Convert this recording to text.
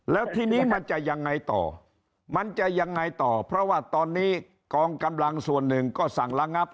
แล้วทีนี้มันจะยังไงต่อมันจะยังไงต่อเพราะว่าตอนนี้กองกำลังส่วนหนึ่งก็สั่งระงับ